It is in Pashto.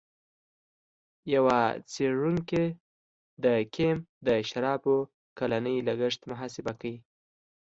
یوه څېړونکي د کیم د شرابو کلنی لګښت محاسبه کړی.